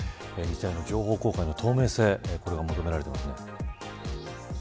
日大の情報公開の透明性が求められています。